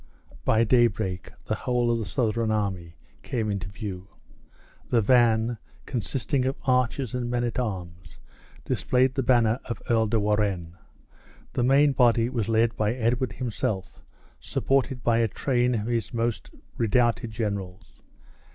By daybreak the whole of the Southron army came in view. The van, consisting of archers and men at arms, displayed the banner of Earl de Warenne; the main body was led on by Edward himself, supported by a train of his most redoubted generals.